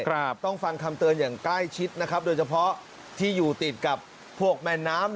ครับต้องฟังคำเตือนอย่างใกล้ชิดนะครับโดยเฉพาะที่อยู่ติดกับพวกแม่น้ำ